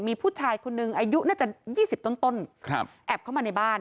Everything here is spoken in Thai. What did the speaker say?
มีผู้ชายคนนึงอายุน่าจะยี่สิบต้นต้นครับแอบเข้ามาในบ้าน